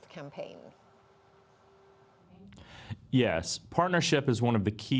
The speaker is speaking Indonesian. ya perkembangan adalah salah satu pilihan utama